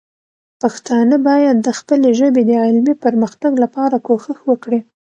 پښتانه باید د خپلې ژبې د علمي پرمختګ لپاره کوښښ وکړي.